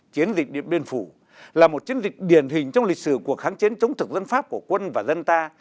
chiến dịch điện biên phủ là một chiến dịch điển hình trong lịch sử cuộc kháng chiến chống thực dân pháp của quân và dân ta